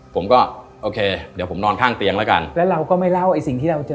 ผมก็โอเคเดี๋ยวผมนอนข้างเตียงแล้วกันแล้วเราก็ไม่เล่าไอ้สิ่งที่เราเจอ